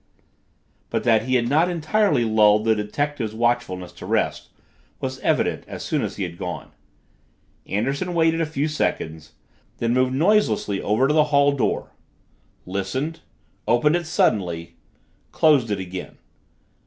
But that he had not entirely lulled the detective's watchfulness to rest was evident as soon as he had gone. Anderson waited a few seconds, then moved noiselessly over to the hall door listened opened it suddenly closed it again.